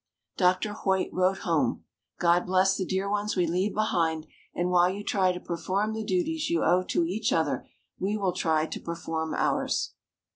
Dr. Hoyt wrote home: "God bless the dear ones we leave behind; and while you try to perform the duties you owe to each other, we will try to perform ours."